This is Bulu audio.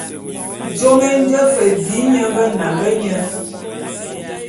Jôme jôme é nji fe bi nye nge nambe nye.